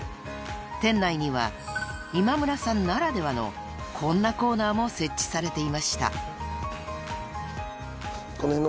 ［店内には今村さんならではのこんなコーナーも設置されていました］